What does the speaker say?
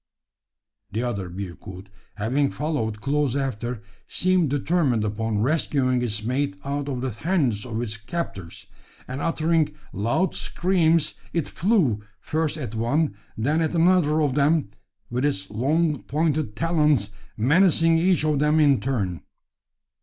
The other bearcoot having followed close after, seemed determined upon rescuing its mate out of the hands of its captors; and uttering loud screams, it flew, first at one, then at another of them with its long pointed talons menacing each of them in turn.